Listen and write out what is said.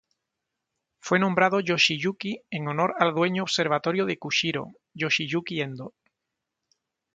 Fue nombrado Yoshiyuki en honor al dueño Observatorio de Kushiro, Yoshiyuki Endo.